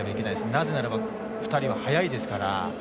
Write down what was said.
なぜならば２人は速いですから。